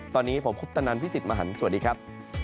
ตอนนี้ผมคุปตนันพี่สิทธิ์มหันฯสวัสดีครับ